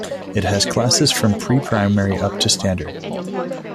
It has classes from pre-primary up to Std.